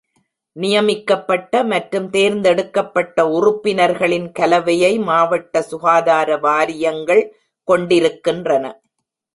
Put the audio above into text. நியமிக்கப்பட்ட மற்றும் தேர்ந்தெடுக்கப்பட்ட உறுப்பினர்களின் கலவையை மாவட்ட சுகாதார வாரியங்கள் கொண்டிருக்கின்றன.